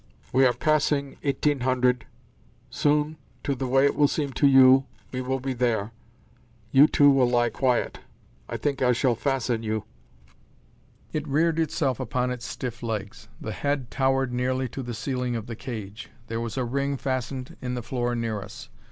"We are passing 1800. Soon, to the way it will seem to you, we will be there. You two will lie quiet. I think I shall fasten you." It reared itself upon its stiff legs; the head towered nearly to the ceiling of the cage. There was a ring fastened in the floor near us.